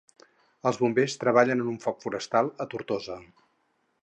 Els Bombers treballen en un foc forestal a Tortosa.